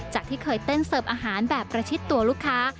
ที่เคยเต้นเสิร์ฟอาหารแบบประชิดตัวลูกค้า